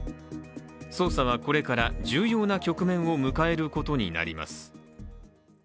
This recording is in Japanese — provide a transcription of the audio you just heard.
捜査はこれから重要な局面を迎えることになります。